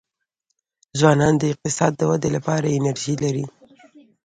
ځوانان د اقتصاد د ودي لپاره انرژي لري.